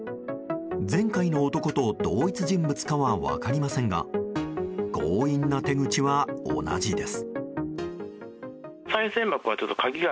前回の男と同一人物かは分かりませんが強引な手口は同じです。